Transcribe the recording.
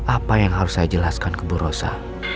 apa yang harus saya jelaskan ke bu rosa